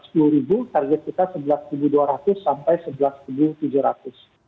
target kita sebelas ribu dua ratus sampai sebelas ribu tujuh ratus